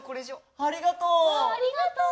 ありがとう。